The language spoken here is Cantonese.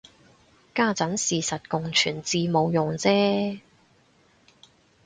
家陣事實共存至冇用啫